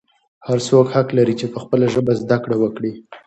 هر څوک حق لري چې په خپله ژبه زده کړه وکړي.